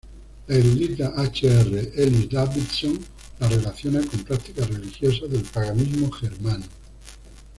La erudita H. R. Ellis Davidson las relaciona con prácticas religiosas del paganismo germano.